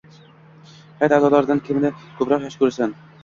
Hay’at a’zolaridan kimni ko’proq yaxshi ko’rasan?